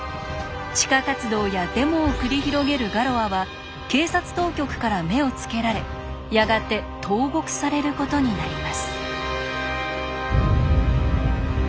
地下活動やデモを繰り広げるガロアは警察当局から目をつけられやがて投獄されることになります。